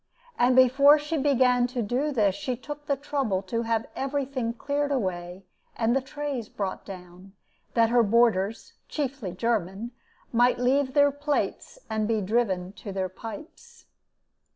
And before she began to do this she took the trouble to have every thing cleared away and the trays brought down, that her boarders (chiefly German) might leave their plates and be driven to their pipes.